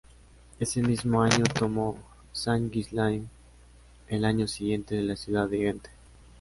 Ese mismo año, tomó Saint-Ghislain y el año siguiente la ciudad de Gante.